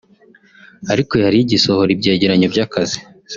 ariko yari igisohora ibyegeranyo by’akazi